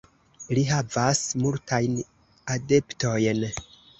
Li havas multajn adeptojn.